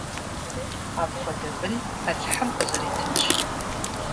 Апхуэдэ бын Алыхьым къузэритынщ!